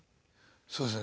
そうですね